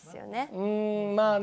うんまあね